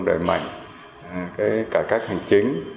đẩy mạnh cái cải cách hành chính